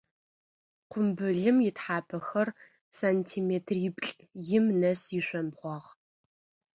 Къумбылым ытхьапэхэр сантиметриплӏ-им нэс ишъомбгъуагъ.